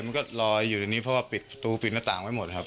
มันก็ลอยอยู่ในนี้เพราะว่าปิดปิดระตางไว้หมดครับ